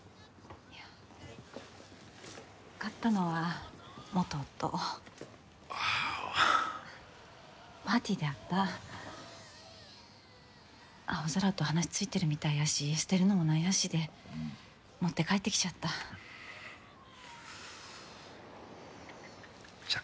いや買ったのは元夫ああパーティーで会った青空と話ついてるみたいやし捨てるのも何やしで持って帰ってきちゃったじゃあ